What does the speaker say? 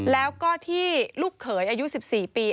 แล้วก็ที่ลูกเขยอายุ๑๔ปี